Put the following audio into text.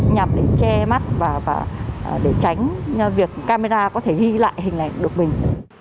nhằm để che mắt và để tránh việc camera có thể ghi lại hình này đột bình